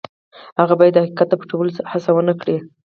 هغه باید د حقیقت د پټولو هڅه ونه کړي.